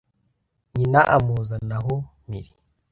nyina amuzana aho mpiri